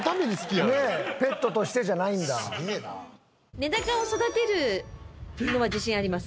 メダカを育てるのは自信あります。